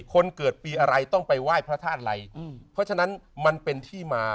คนเกิดปีอะไรต้องไปไหว้พระธาตุอะไรเพราะฉะนั้นมันเป็นที่มา